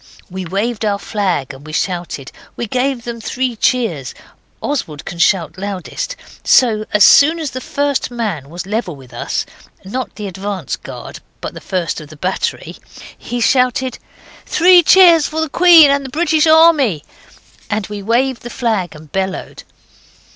We waved our flag, and we shouted. We gave them three cheers. Oswald can shout loudest. So as soon as the first man was level with us (not the advance guard, but the first of the battery) he shouted 'Three cheers for the Queen and the British Army!' And then we waved the flag, and bellowed.